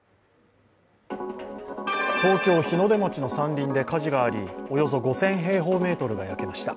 東京・日の出町の山林で火事があり、およそ５０００平方メートルが焼けました。